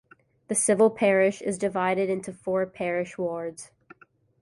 The civil parish is divided into four parish wards.